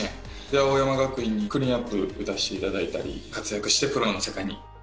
青山学院でクリーンアップ打たせて頂いたり活躍してプロの世界に。